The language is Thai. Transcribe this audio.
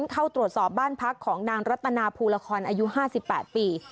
เข้าตรวจสอบบ้านพักของนางรัตนาภูละครอายุ๕๘ปี